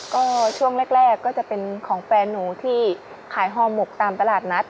ก็ช่วงแรกก็จะเป็นของแฟนหนูที่ขายฮอหมกตามตลาดนัด